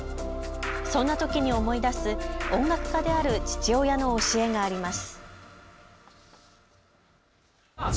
そんなときに思い出す音楽家である父親の教えがあります。